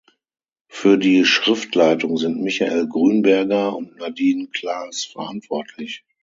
Für die Schriftleitung sind Michael Grünberger und Nadine Klass verantwortlich.